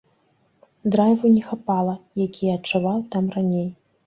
Драйву не хапала, які я адчуваў там раней.